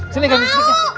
sini ganti sticknya